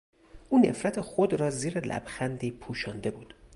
او نفرت خود را زیر لبخندی پوشانده بود.